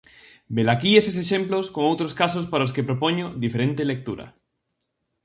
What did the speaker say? Velaquí eses exemplos con outros casos para os que propoño diferente lectura.